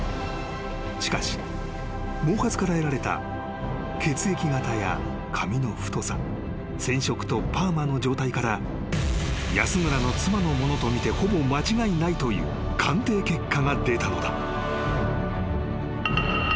［しかし毛髪から得られた血液型や髪の太さ染色とパーマの状態から安村の妻のものとみてほぼ間違いないという鑑定結果が出たのだ］